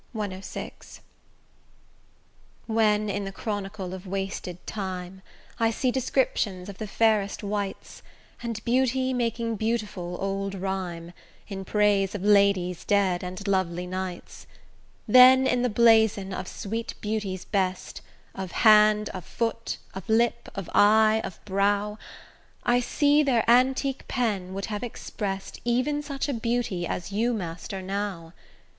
CVI When in the chronicle of wasted time I see descriptions of the fairest wights, And beauty making beautiful old rime, In praise of ladies dead and lovely knights, Then, in the blazon of sweet beauty's best, Of hand, of foot, of lip, of eye, of brow, I see their antique pen would have express'd Even such a beauty as you master now.